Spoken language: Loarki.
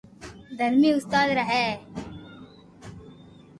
درھمي استاد را ھين